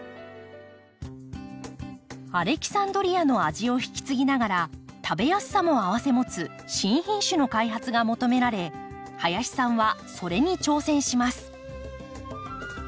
アレキサンドリアの味を引き継ぎながら食べやすさも併せ持つ新品種の開発が求められ林さんはそれに挑戦します。